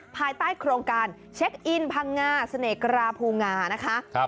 ภายใต้โครงการเช็คอินพังงาเสน่หกราภูงานะคะ